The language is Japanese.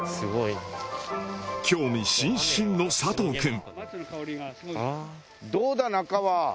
興味津々の佐藤くん。